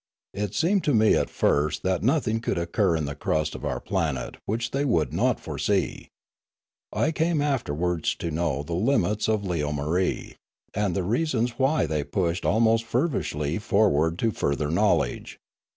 It seemed to me at first that nothing could occur in the crust of our planet which they would not foresee. I came afterwards to know the limits of Leomarie, and the reasons why they pushed almost feverishly forward to further knowledge.